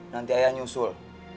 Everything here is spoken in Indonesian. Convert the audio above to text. nanti ayah nyusul